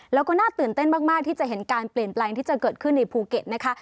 แล้วก็น่าตื่นเต้นมากที่จะเห็นการเปลี่ยนแปลงที่จะเกิดขึ้นในภูเก็ตนะคะ